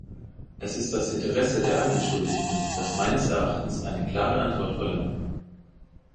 Es ist das Interesse der Angeschuldigten, das meines Erachtens eine klare Antwort verlangt.